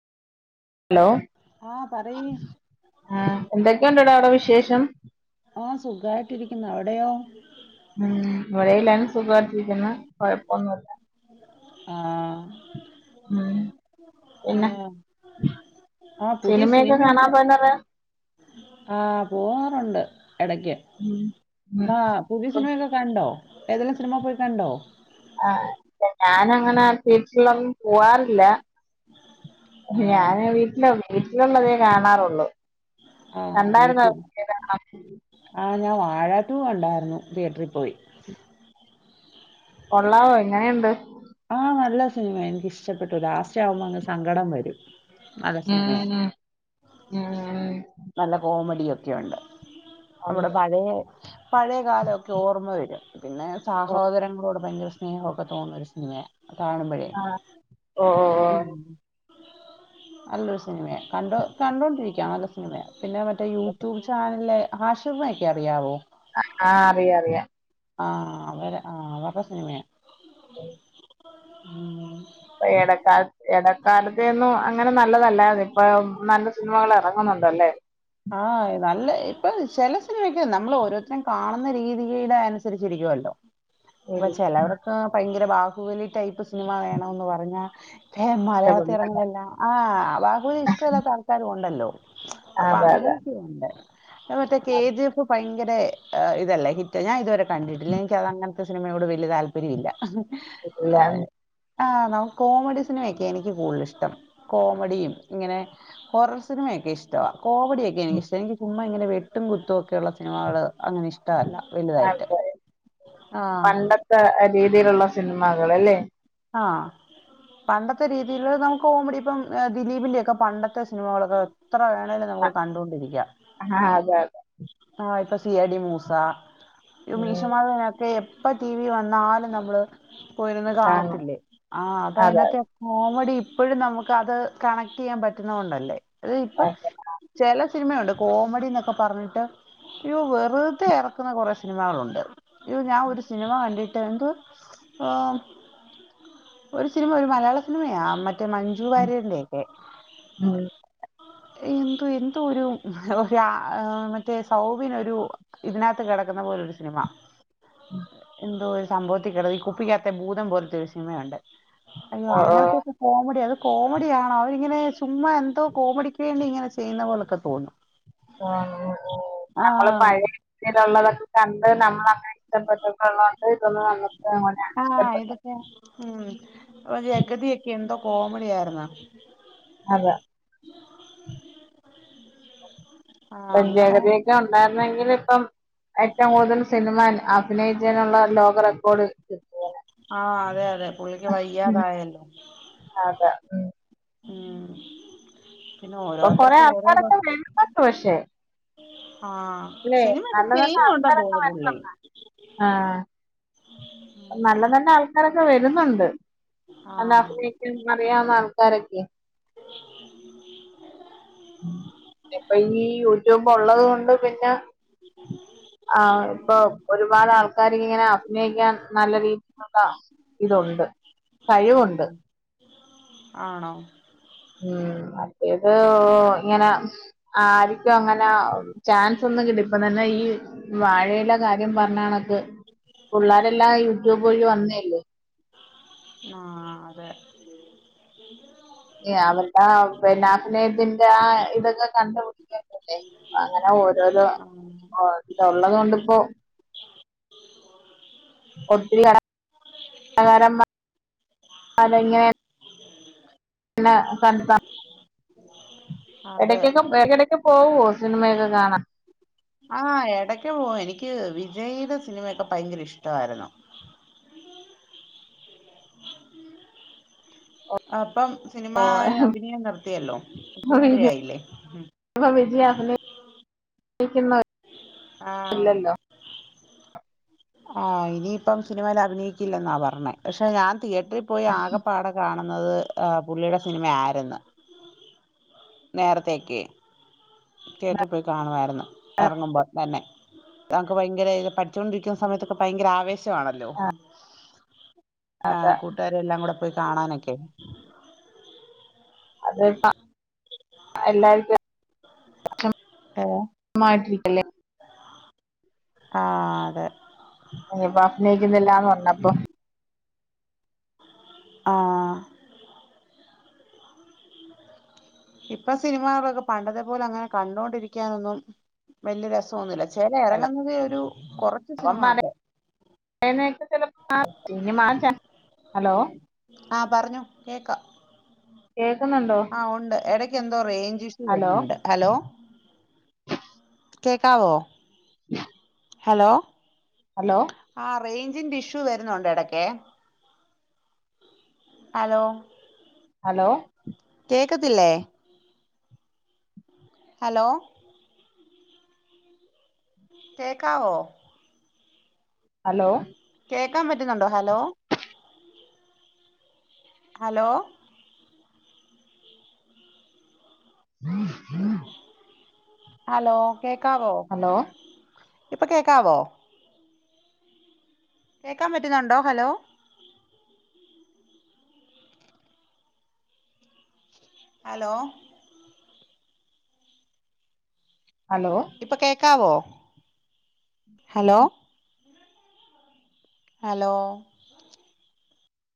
Hello ആഹ് പറയ് ആഹ് എന്തൊക്കെയുണ്ട്ടാ അവിടെ വിശേഷം ആഹ് സുഖായിട്ടിരിക്കുന്നു അവിടെയോ ഉം ഇവിടെ എല്ലാരും സുഖായിട്ടിരിക്കുന്നു കൊഴപ്പൊന്നുല്ല ആഹ് ഉം പിന്നെ ആഹ് ആഹ് പുതിയ സിനിമയൊക്കെ കാണാൻ പോവാറുണ്ടോ ആഹ് പോവാറുണ്ട് ഇടക്ക് ഉം ഉം ആഹ് പുതിയ സിനിമയൊക്കെ കണ്ടോ ഏതെങ്കിലും സിനിമ പോയി കണ്ടോ ആഹ് ഞാനങ്ങനെ തീയേറ്ററിലൊന്നും പോവാറില്ല ആഹ് ഞാന് വീട്ടില വീട്ടിലുള്ളതേ കാണാറുള്ളു ആഹ് കണ്ടായിരുന്നോ വീട്ടിൽ പുതിയൊരെണ്ണം ആഹ് ഞാൻ വാഴ ടു കണ്ടായിരുന്നു തിയേറ്ററിൽ പോയി കൊള്ളാവോ എങ്ങനെയുണ്ട് ആഹ് നല്ല സിനിമയാ എനക്ക് ഇഷ്ടപ്പെട്ടു ലാസ്റ്റ് ആവുമ്പോ അങ്ങ് സങ്കടം വരും നല്ല സിനിമയാ ഉം ഉം ഉം ഉം നല്ല കോമഡിയൊക്കെയുണ്ട് ഉം നമ്മുടെ പഴയ പഴയകാലമൊക്കെ ഓർമ്മ വരും പിന്നെ ഓ സാഹോദരങ്ങളോട് ഭയങ്കര സ്നേഹമൊക്കെ തോന്നുന്ന ഒരു സിനിമയ കാണുമ്പോഴേ ആഹ് ഓ ഓ ഓ നല്ലൊരു സിനിമയ കണ്ടോ കണ്ടോണ്ടിരിക്കാം പിന്നെ മറ്റേ യൂട്യൂബ് ചാനലിലെ ആശിർനെയൊക്കെ അറിയാവോ ആഹ് അറിയ അറിയാം ആഹ് അവരെ ആഹ് അവരുടെ സിനിമയാണ് ഉ ഉം ഇപ്പ എടക്കാൽത്ത് എടക്കാൽത്തെങ്ങും അങ്ങനൊന്നു നല്ലതല്ലായിരുന്നു ഇപ്പം നല്ല സിനിമകൾ എറങ്ങുന്നുണ്ട് അല്ലേ ആഹ് നല്ല ഇപ്പം ചില സിനിമക്ക് നമ്മൾ ഓരോരുത്തരേം കാണുന്ന രീതിയുടെ അനുസരി അനുസരിച്ചിരിക്കുയല്ലോ അപ്പൊ ചെലവർക്ക് ഭയങ്കര ബാഹുബലി ടൈപ്പ് സിനിമ വേണോന്നു പറഞ്ഞാ എ മലയാളത്തി ഇഷ്ടപ്പെടുന്നല്ലേ എറങ്ങുന്ന എല്ലാം ആ ബാഹുബലി ഇഷ്ടമല്ലാത്ത ആൾക്കാരും ഒണ്ടല്ലോ അപ്പൊ അതെ അതെ അങ്ങനെയൊക്കെ ഒണ്ട് മറ്റേ കെ ജി എഫ് ഭയങ്കര ഇതല്ലേ ഹിറ്റ് ഞാൻ ഇതുവരെ കണ്ടിട്ടില്ല എനിക്ക് അത് അങ്ങനത്തെ സിനിമയോട് വലിയ താല്പര്യമില്ല [inaudible] ആഹ് നമുക്കു കോമഡി സിനിമയൊക്കെ എനിക്ക് കൂടുതൽ ഇഷ്ടം കോമഡിയും ഇങ്ങനെ ഹോറൽ സിനിമയെ ഇഷ്ടവാ കോമഡിയൊക്കെ എനിക്കിഷ്ടവാ എനിക്ക് ചുമ്മായിങ്ങനെ വെട്ടും കുത്തുക്കെയുള്ള സിനിമകളങ്ങനെ ഇഷ് ഇഷ്ട്ടവല്ല വലുതായിട്ട് അതെ. ആ പണ്ടത്തെ രീതിയിലുള്ള സിനിമാകള് അല്ലെ! ആഹ് പണ്ടത്തെ രീതിയിലുള്ള കോമഡി ഇപ്പം ദിലീപിന്റെയൊക്കെ പണ്ടത്തെ സിനിമകളൊക്കെ എത്ര വേണേലും നമുക്ക് കണ്ടോണ്ടിരിക്കാം ആഹ് അതെ അതെ ആ ഇപ്പം സി ഐ ഡി മൂസ ഇ ഉം മീശമാധവനൊക്കെ എപ്പം ടി വി വന്നാലും നമ്മള് പോയിരുന്ന് കാണും കാണത്തില്ലേ ആ അത് അതെ അതിനാത്തെ- കോമഡി ഇപ്പഴും നമുക്ക് അത് കണക്ട് ചെയ്യാൻ പറ്റുന്നത് കൊണ്ടല്ലേ അത് ഇപ്പം അതെ ചെല സിനിമയുണ്ട് കോമഡിയെന്നൊക്കെ പറഞ്ഞിട്ട് അയ്യോ വെറുതെ എറക്കുന്ന കൊറെ സിനിമകളുണ്ട് യൊ ഞാൻ ഒരു സിനിമ കണ്ടിട്ട് എന്തുവാ ആ ഒരു സിനിമ ഒരു മലയാള സിനിമയാ മറ്റേ മണി മഞ്ജു ഉം വാര്യരിൻ്റെക്കെ ഉം. എന്തോ എന്തൊരു ഒരാ മറ്റേ സൗബിനൊരു ഇതിനാത്ത് കെടക്കുന്ന പോലൊരു സിനിമ അ എന്തോ ഒരു സംഭവത്തിൽ കിട ഈ കുപ്പിക്കാത്തെ ഭൂതം പോലത്തെ ഒരു സിനമയുണ്ട് അയ്യോ ഓ ഓ അങ്ങനത്തെകെ കോമഡി അത് കോമഡിയാണ് അവരിങ്ങനെ ചുമ്മാ എന്തോ കോമഡിക്ക് വേണ്ടി ഇങ്ങനെ ചെയ്യുന്നത് പോലൊക്കെ തോന്നും നമ്മള് ആഹ് പഴയ രീതിയിലൊള്ളതൊക്കെ കണ്ട് നമ്മൾ അങ്ങനെ [unintelligible] [inaudible] ആഹ് ഇതൊക്കെ ഉം ആ ജഗതിയൊക്കെ എന്തോ കോമഡി ആയിരുന്നു അതാ [inaudible] ആഹ് ഇപ്പം അങ്ങനെ ജഗതിയൊക്കെ ഒണ്ടായിരുന്നുയെങ്കിലിപ്പം ഏറ്റവും കൂടുതൽ സിനിമ അ അഭിനയിച്ചതിനുള്ള ലോക റെക്കോർഡ് കിട്ടും - ആഹ് അതെ അതെ പുള്ളിക്ക് വയ്യാതായല്ലോ അതാ ഉം ഉം പിന്നെ ഇപ്പം കൊറേ ഓരോരുത്തർക്കും ഓരോ ഭ- ആൾക്കാരൊക്കെ വരുന്നൊണ്ട് പക്ഷെ ആഹ് സിനിയൊക്കെ നല്ല ചെയ്യുന്നുണ്ടെന്നു തോന്നുന്നു പുള്ളി ആഹ് നല്ലനല്ല ഉം ആൾക്കാരൊക്കെ വരുന്നൊണ്ട് നല്ല ആഹ് അഭിനയിക്കാൻ അറിയാവുന്ന ആൾക്കാരൊക്കെ ഇപ്പ ഈ യൂട്യൂബ് ഒള്ളത് കൊണ്ട് പിന്നെ ആഹ് ഇപ്പൊ ഒരുപാട് ആൾക്കാര് ഇങ്ങനെ അഭിനയിക്കാൻ നല്ല രീതിയിലുള്ള ഇതൊണ്ട് ആന്നോ ആണോ ഉം മറ്റേത് ഇങ്ങനെ ആരിക്കും അങ്ങനെ ചാൻസൊന്നും കിട്ടി ഇപ്പ തന്നെ ഈ വാഴയിലെ കാര്യ- ര്യംപറഞ്ഞകണക്ക് പിള്ളേരെല്ലാം യൂട്യൂബ് വഴി വന്നേല്ലേ ആഹ് അതെ അവരുടെ ആഹ് പിന്നെ അഭിനയത്തിന്റെ ആ ഇതൊക്കെ കണ്ട കുട്ടികളല്ലേ അങ്ങനെ ഓരോരോ ആഹ് ഇതൊള്ളത് കൊണ്ടിപ്പോ ഒത്തിരി നേരം [unintelligible] അതങ്ങനെ പിന്നെ [unintelligible] അതെ ഇടക്കൊക്കെ പോവ്വോ സിനിമയക്കെ കാണാൻ ആഹ് എടക്ക് പോവും എനിക്ക് വിജയീടെ സിനിമയക്കെ ഭയങ്കര ഇഷ്ടവാരുന്നു അപ്പം സിനിമാ അഭിനയം നിർത്തിയല്ലോ മുഖ്യമന്ത്രിയായില്ലേ ഇപ്പം വിജയ് [unintelligible] ആഹ് ഇല്ലല്ലോ ആഹ് ഇനിയിപ്പം സിനിമയിൽ അഭിനയിക്കില്ലെന്നാ പറഞ്ഞെ പക്ഷെ ഞാൻ തിയേറ്ററി പോയി ആകെ പാടെ കാണുന്നത് ആഹ് പുള്ളീടെ സിനിമ ആര്ന്ന് നേരത്തേക്കെ തിയേറ്ററി പോയി കാണുവാരുന്നു എറങ്ങുമ്പം തന്നെ നമുക്ക് ഭയങ്കരെ ഇത് പഠിച്ചോണ്ടിരിക്കുന്ന സമയത്തൊക്കെ ഭയങ്കര ആവേശം ശം ആണല്ലോ ആഹ് കൂട്ടുകാരെല്ലാം കൂടെ പോയി കാണാനെക്കെ അത് ഇപ്പ ആഹ് എല്ലാര്ക്കും ഏഹ് മാട്ടിരിക്കല്ലേ ആഹ് അതെ ഇനീപ്പ അഭിനയിക്ക്‌ന്നില്ലാന്ന് പറഞ്ഞപ്പം ആഹ് ഇപ്പ സിനിമകളൊക്കെ പണ്ടത്തെ പോലെ അങ്ങനെ കണ്ടോണ്ടിരിക്കാനൊന്നും വല്യ രസം ഒന്നുല്ല ചെല എറങ്ങുന്നതിലൊരു കൊറച്ച് സിനിമാക്കെ അങ്ങനെയൊക്കെ ചെലപ്പം മാറ്റും ഇനി മാറ്റാം ഉം ആഹ് പറഞ്ഞൊ കേക്കാം കേക്ക്‌ന്നൊണ്ടോ ആഹ് ഒണ്ട് എടയ്ക്ക് എന്തോ റേഞ്ച് ഇഷ്യൂ വരുന്നുണ്ട് ഹലോ കേക്കാവോ ഉ [unintelligible] ഹലോ ഹലോ ആഹ് റേഞ്ചിന്റെ ഇഷ്യൂ വരുന്നൊണ്ട് എടക്കേ ഹലോ ഹലോ കേക്കത്ത്ല്ലേ ഹലോ കേക്കാവോ ഹലോ കേക്കാൻ പറ്റുന്നൊണ്ടോ ഹലോ ഹലോ ആ [unintelligible] ഹലോ കേക്കാവോ ഹലോ ഇപ്പ കേക്കാവോ കേക്കാൻ പറ്റുന്നൊണ്ടോ ഹലോ ഹലോ ഹലോ ഇപ്പ കേക്കാവോ ഹലോ ഹലോ